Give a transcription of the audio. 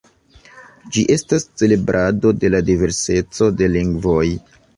Ĝi estas celebrado de la diverseco de lingvoj.